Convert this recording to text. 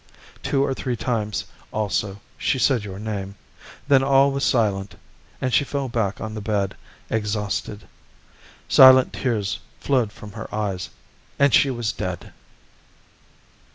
Two or three times also she said your name; then all was silent, and she fell back on the bed exhausted. Silent tears flowed from her eyes, and she was dead.